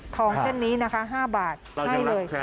เส้นนี้นะคะ๕บาทให้เลย